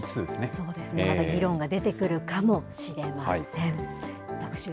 そうですね、また議論が出てくるかもしれません。